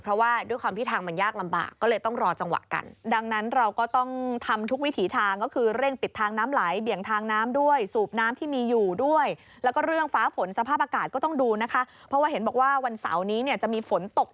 เพราะว่าด้วยความที่ทางมันยากลำบาก